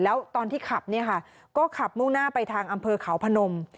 แล้วตอนที่ขับเนี่ยค่ะก็ขับมุ่งหน้าไปทางอำเภอเขาพนม